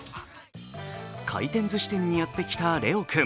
回転ずし店にやってきたれおくん。